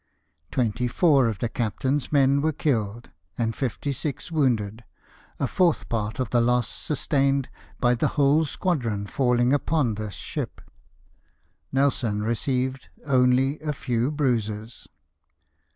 Twenty four of the Captain's men were killed, and fifty six wounded — a fourth part of the loss sus tained by the whole squadron falHng upon this ship. Nelson received only a few bruises.